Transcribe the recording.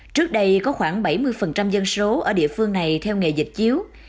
trước đây có khoảng bảy mươi dân số ở địa phương này theo nghề dịch chiếu